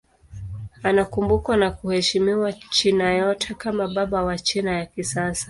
Anakumbukwa na kuheshimiwa China yote kama baba wa China ya kisasa.